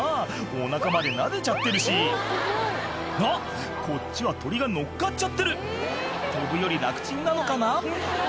お腹までなでちゃってるしあっこっちは鳥が乗っかっちゃってる飛ぶより楽ちんなのかな？